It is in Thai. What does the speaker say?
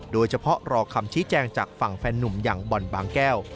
โดยเฉพาะรอคำชี้แจงจากฝั่งแฟนนุ่มอย่างบ่อนบางแก้ว